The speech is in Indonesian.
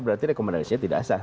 berarti rekomendasinya tidak sah